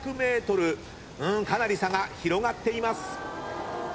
うんかなり差が広がっています。